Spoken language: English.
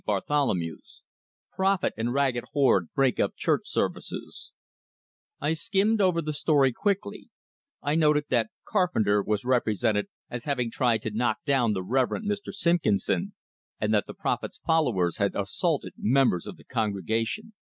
BARTHOLMEW'S PROPHET AND RAGGED HORDE BREAK UP CHURCH SERVICES I skimmed over the story quickly; I noted that Carpenter was represented as having tried to knock down the Reverend Mr. Simpkinson, and that the prophet's followers had assaulted members of the congregation.